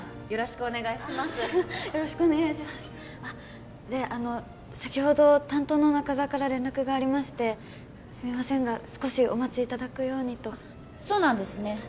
よろしくお願いしますあっであの先ほど担当の中沢から連絡がありましてすみませんが少しお待ちいただくようにとそうなんですね